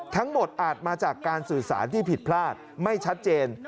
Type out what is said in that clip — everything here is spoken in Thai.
อาจมาจากการสื่อสารที่ผิดพลาดไม่ชัดเจน